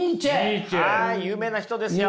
有名な人ですよ。